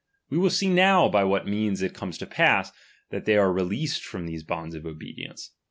We will see now by what means it comes to pass, that they are released from these bonds of obedience.